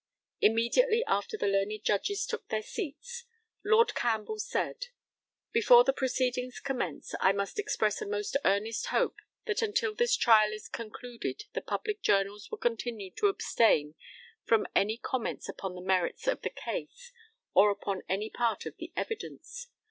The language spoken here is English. Immediately after the learned Judges took their seats, Lord CAMPBELL said: Before the proceedings commence I must express a most earnest hope that until this trial is concluded the public journals will continue to abstain from any comments upon the merits of the case, or upon any part of the evidence.